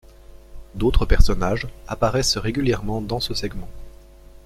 D'autres personnages apparaissent régulièrement dans ce segment.